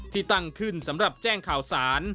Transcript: ที่ตั้งขึ้นสำหรับแจ้งข่าวสาร